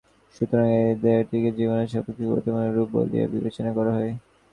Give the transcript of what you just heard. সুতরাং এই দেহটিকে জীবের সর্বাপেক্ষা গুরুত্বপূর্ণ রূপ বলিয়া বিবেচনা করা হয়।